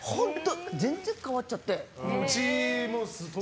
全然、変わっちゃって。